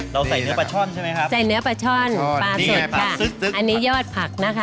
ใส่เนื้อปลาช่อนใช่ไหมครับใส่เนื้อปลาช่อนปลาสดค่ะอันนี้ยอดผักนะคะ